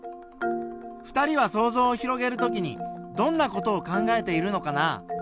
２人は想像を広げる時にどんな事を考えているのかな？